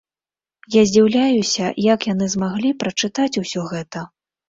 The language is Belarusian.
Я здзіўляюся, як яны змаглі прачытаць усё гэта.